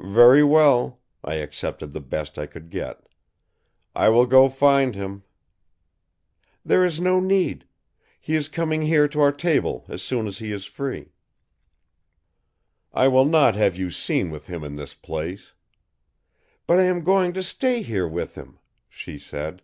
"Very well," I accepted the best I could get. "I will go find him." "There is no need. He is coming here to our table as soon as he is free." "I will not have you seen with him in this place." "But I am going to stay here with him," she said.